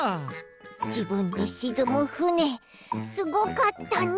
じぶんでしずむふねすごかったね！